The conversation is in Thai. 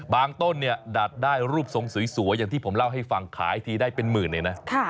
ต้นเนี่ยดัดได้รูปทรงสวยอย่างที่ผมเล่าให้ฟังขายทีได้เป็นหมื่นเลยนะ